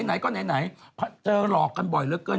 ไหนก็ไหนเจอหลอกกันบ่อยเหลือเกิน